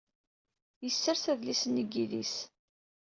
Yessers adlis-nni deg yidis.